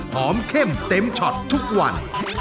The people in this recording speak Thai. เข้มเต็มช็อตทุกวัน